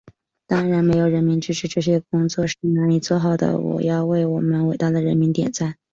当然，没有人民支持，这些工作是难以做好的，我要为我们伟大的人民点赞。